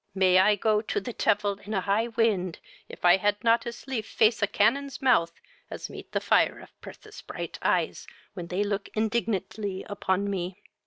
May I go to the tevil in a high wind, if I had not as lief face a canon's mouth as meet the fire of Pertha's pright eyes, when they look indignantly upon me!"